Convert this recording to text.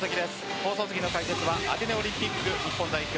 放送席の解説はアテネオリンピック日本代表